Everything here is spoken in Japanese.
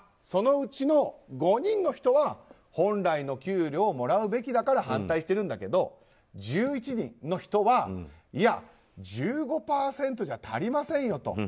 そのうちの５人の人は本来の給料をもらうべきだから反対してるんだけど１１人の人は１５％じゃ足りませんよと。